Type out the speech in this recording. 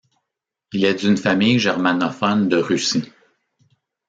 Il est d'une famille germanophone de Russie.